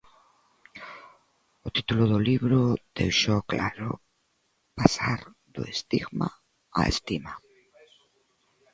O título do libro déixao claro: pasar "do estigma á estima".